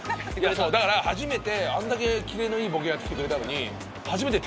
だから初めてあんだけキレのいいボケやってきてくれたのに。